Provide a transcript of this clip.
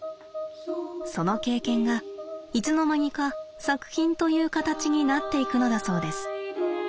その経験がいつの間にか作品という形になっていくのだそうです。